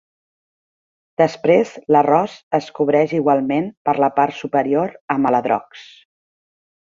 Després l'arròs es cobreix igualment per la part superior amb aladrocs.